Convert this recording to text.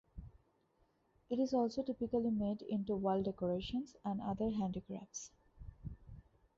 It is also typically made into wall decorations and other handicrafts.